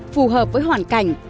phù hợp với hoàn cảnh